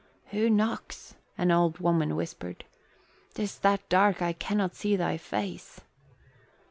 "Who knocks?" an old woman whispered. "'Tis that dark I cannot see thy face."